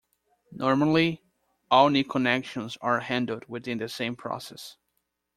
Normally, all new connections are handled within the same process.